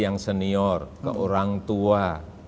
yang senior ke orang tua